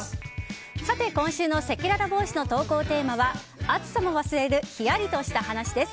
今週のせきららボイスの投稿テーマは暑さも忘れるヒヤリとした話です。